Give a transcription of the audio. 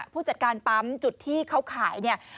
ผู้จัดการปั๊มจุดที่เขาขายเนี่ย